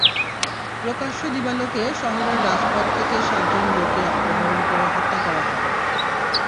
প্রকাশ্য দিবালোকে শহরের রাজপথ থেকে সাতজন লোককে অপহরণ করে হত্যা করা হয়।